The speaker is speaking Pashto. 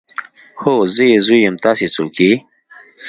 هو زه يې زوی يم تاسې څوک يئ.